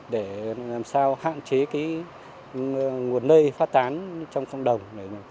để làm sao hạn chế cái nguồn lây phát tán trong cộng đồng này